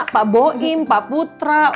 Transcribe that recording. pak boim pak putra